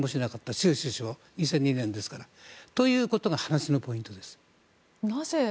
州首相は２００２年ですから。ということが話のポイントです。